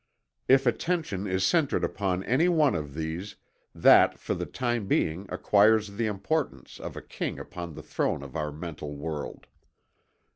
If attention is centered upon any one of these, that for the time being acquires the importance of a king upon the throne of our mental world."